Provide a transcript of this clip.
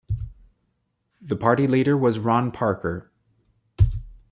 The party leader was Ron Parker.